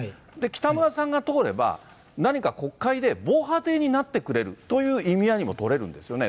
北村さんが通れば、何か国会で防波堤になってくれるという意味合いにも取れるんですよね。